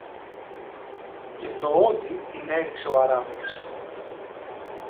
Και τωόντι την έριξε ο Αράπης